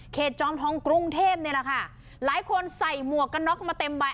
จอมทองกรุงเทพนี่แหละค่ะหลายคนใส่หมวกกันน็อกมาเต็มใบ